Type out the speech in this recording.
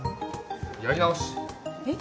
やりなおしえっ